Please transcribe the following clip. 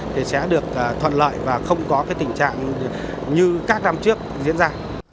thì sẽ được thuận lợi và không có cái tình trạng như các năm trước diễn ra